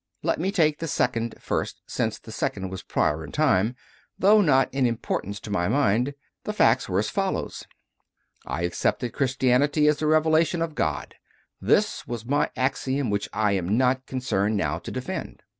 Let me take the second first, since the second was prior in time, though not in importance to my mind. The facts were as follows: I accepted Christianity as the Revelation of God. This was my axiom which I am not concerned now to defend.